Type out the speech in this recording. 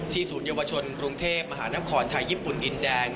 ศูนยวชนกรุงเทพมหานครไทยญี่ปุ่นดินแดง